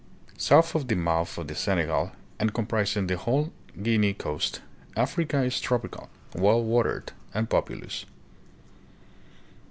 South of the mouth of the Senegal and comprising the whole Guinea coast, Africa is tropical, well watered, and populous.